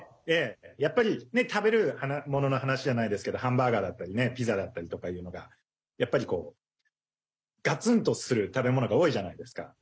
やっぱり、食べるものの話じゃないですけどハンバーガーだったりピザだったりとかいうのがやっぱり、がつんとする食べ物が多いじゃないですか。